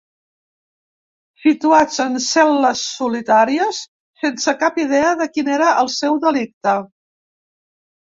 Situats en cel·les solitàries, sense cap idea de quin era el seu delicte.